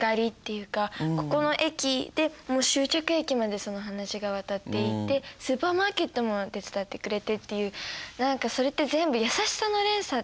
ここの駅でもう終着駅までその話が渡っていってスーパーマーケットも手伝ってくれてっていう何かそれって全部優しさの連鎖っていうか